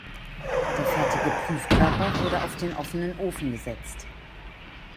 Der fertige Prüfkörper wurde auf den offenen Ofen gesetzt.